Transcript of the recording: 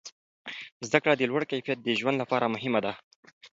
زده کړه د لوړ کیفیت د ژوند لپاره مهمه ده.